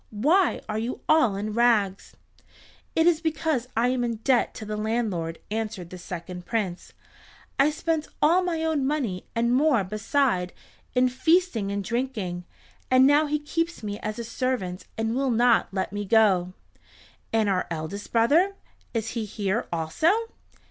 Why are you all in rags?" "It is because I am in debt to the landlord," answered the second Prince. "I spent all my own money and more beside in feasting and drinking, and now he keeps me as a servant and will not let me go." "And our eldest brother—is he here also?"